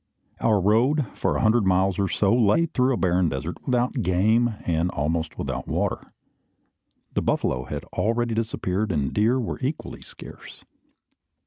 Our road, for a hundred miles or so, lay through a barren desert, without game, and almost without water. The buffalo had already disappeared, and deer were equally scarce.